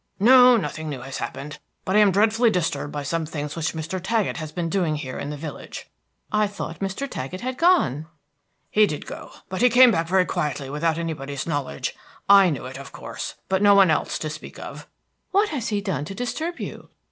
"No, nothing new has happened; but I am dreadfully disturbed by some things which Mr. Taggett has been doing here in the village." "I thought Mr. Taggett had gone." "He did go; but he came back very quietly without anybody's knowledge. I knew it, of course; but no one else, to speak of." "What has he done to disturb you?"